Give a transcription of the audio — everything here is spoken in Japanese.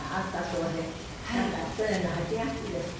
なんか去年の８月ですか？